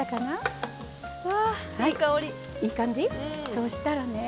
そしたらね